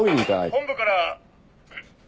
本部から。